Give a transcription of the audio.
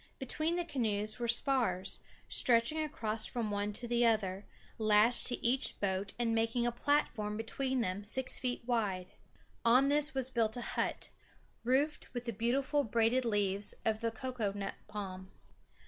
Between the canoes were spars, stretching across from one to the other, lashed to each boat and making a platform between them six feet wide. On this was built a hut, roofed with the beautiful braided leaves of the cocoa nut palm.